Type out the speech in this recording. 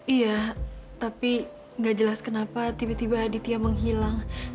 iya tapi gak jelas kenapa tiba tiba aditya menghilang